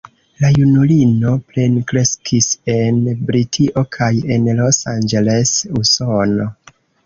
La junulino plenkreskis en Britio kaj en Los Angeles, Usono.